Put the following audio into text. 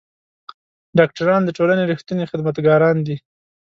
ډاکټران د ټولنې رښتوني خدمتګاران دي.